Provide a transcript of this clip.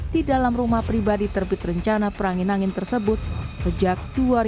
di dalam rumah pribadi terbit rencana perangin angin tersebut sejak dua ribu dua